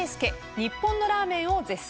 日本のラーメンを絶賛。